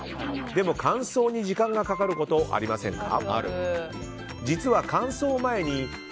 でも、乾燥に時間がかかることありませんか。